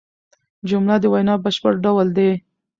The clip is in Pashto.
جمله د وینا بشپړ ډول دئ.